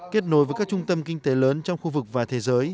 kết nối với các trung tâm kinh tế lớn trong khu vực và thế giới